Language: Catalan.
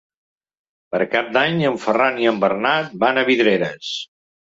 Per Cap d'Any en Ferran i en Bernat van a Vidreres.